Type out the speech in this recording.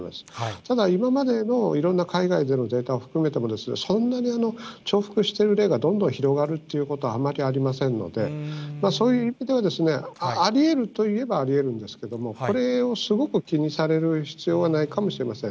ただ、今までのいろんな海外でのデータを含めても、そんなに重複してる例がどんどん広がるということはあんまりありませんので、そういう意味ではですね、ありえるといえばありえるんですけども、これをすごく気にされる必要はないかもしれません。